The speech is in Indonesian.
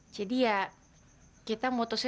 jadi ya kita bisa berhenti